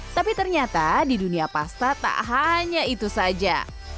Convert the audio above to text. tapi ternyata di dunia pasta tak hanya itu saja